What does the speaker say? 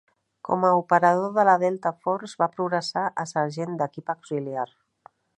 Com a operador de la Delta Force, va progressar a sergent d'equip auxiliar.